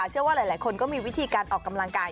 เชื่อว่าหลายคนก็มีวิธีการออกกำลังกาย